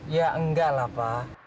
ya enggak lah pa